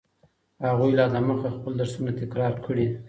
هغوی لا دمخه خپل درسونه تکرار کړي.